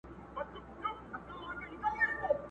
بس چي هر څومره زړېږم دغه سِر را معلومیږي!.